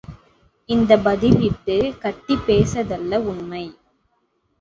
இந்த பதில் இட்டுக் கட்டிப் பேசிதல்ல உண்மை.